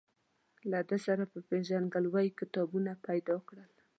له ده سره په پېژندګلوۍ کتابونه پیدا کړل.